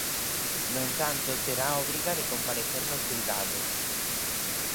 No entanto terá a obriga de comparecer no xulgado.